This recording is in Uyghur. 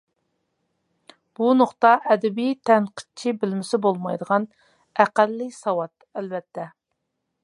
بۇ نۇقتا ئەدەبىي تەنقىدچى بىلمىسە بولمايدىغان ئەقەللىي ساۋات، ئەلۋەتتە.